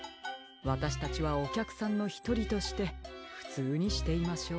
わたしたちはおきゃくさんのひとりとしてふつうにしていましょう。